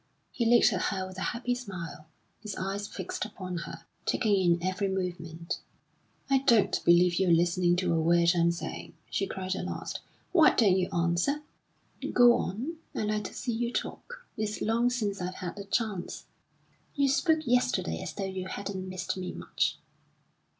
He looked at her with a happy smile, his eyes fixed upon her, taking in every movement. "I don't believe you're listening to a word I'm saying!" she cried at last. "Why don't you answer?" "Go on. I like to see you talk. It's long since I've had the chance." "You spoke yesterday as though you hadn't missed me much."